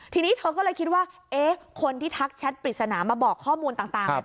ทีนี้เธอก็เลยคิดว่าเอ๊ะคนที่ทักแชทปริศนามาบอกข้อมูลต่าง